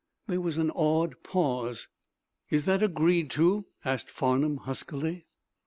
There was an awed pause. "Is that agreed to?" asked Farnum, huskily.